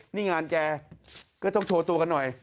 นี่งานแกก็ต้องโชว์ตัวกันหน่อย